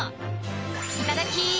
いただき！